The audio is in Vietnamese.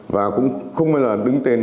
và cũng không bao giờ đứng tên